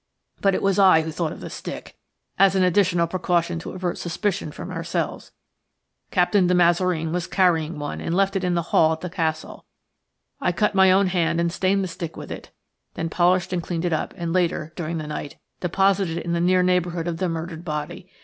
But it was I who thought of the stick, as an additional precaution to avert suspicion from ourselves. Captain de Mazareen was carrying one, and left it in the hall at the Castle. I cut my own hand and stained the stick with it, then polished and cleaned it up, and later, during the night, deposited it in the near neighbourhood of the murdered body.